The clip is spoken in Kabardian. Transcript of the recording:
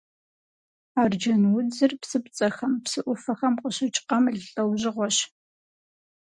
Арджэнудзыр псыпцӏэхэм, псы ӏуфэхэм къыщыкӏ къамыл лӏэужьыгъуэщ.